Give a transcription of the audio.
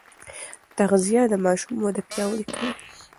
تغذيه د ماشوم وده پیاوړې کوي.